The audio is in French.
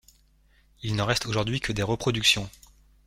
Il n'en reste aujourd'hui que des reproductions.